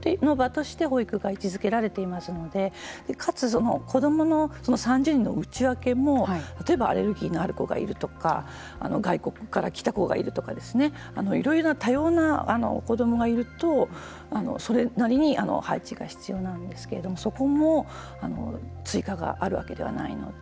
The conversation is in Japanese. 子どもの教育場として保育が位置づけられていますのでかつ、子どもの３０人の内訳も例えば、アレルギーのある子がいるとか外国から来た子がいるとかいろいろ多様な子どもがいるとそれなりに配置が必要なんですけれどもそこも追加があるわけではないので。